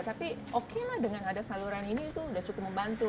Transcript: tapi oke lah dengan ada saluran ini itu udah cukup membantu